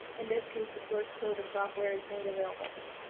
In this case the source code of the software is made available.